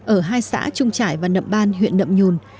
ở hai xã trung trải và nậm ban huyện nậm nhùn